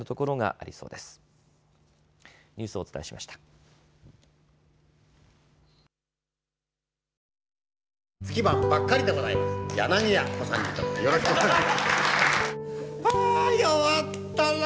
「あ弱ったな。